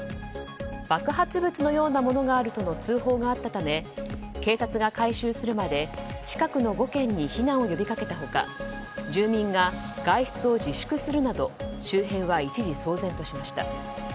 爆発物のようなものがあるとの通報があったため警察が回収するまで近くの５軒に避難を呼びかけた他住民が外出を自粛するなど周辺は一時騒然としました。